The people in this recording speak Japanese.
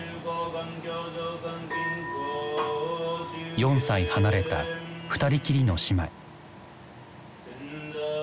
４歳離れた２人きりの姉妹。